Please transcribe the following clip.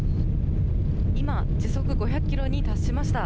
今、時速５００キロに達しました。